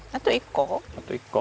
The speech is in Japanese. あと１個？